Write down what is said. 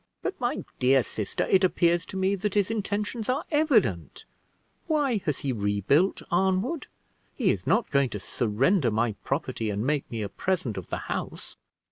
"But, my dear sister, it appears to me that his intentions are evident. Why has he rebuilt Arnwood? He is not going to surrender my property and make me a present of the house."